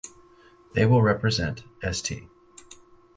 They will represent St.